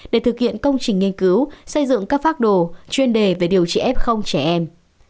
để thực hiện công trình nghiên cứu xây dựng các phác đồ chuyên đề về điều trị f trẻ em